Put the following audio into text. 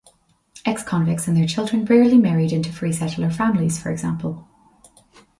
Ex-convicts and their children rarely married into free settler families, for example.